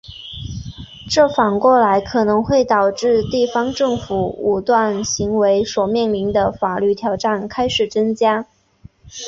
这反过来可能会导致地方政府武断行为所面临的法律挑战开始增加。